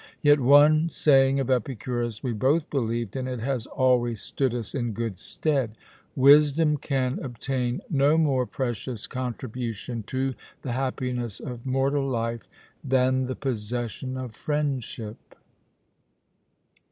Yet one saying of Epicurus we both believed, and it has always stood us in good stead: 'Wisdom can obtain no more precious contribution to the happiness of mortal life than the possession of friendship.'"